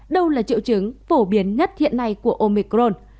đâu là triệu chứng phổ biến nhất hiện nay của omicron